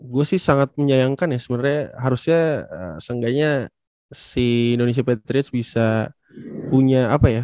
gue sih sangat menyayangkan ya sebenarnya harusnya seenggaknya si indonesia patriage bisa punya apa ya